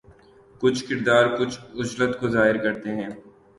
کچھ کردار کچھ عجلت کو ظاہر کرتے ہیں